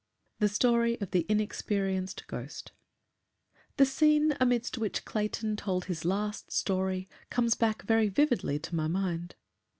6. THE STORY OF THE INEXPERIENCED GHOST The scene amidst which Clayton told his last story comes back very vividly to my mind.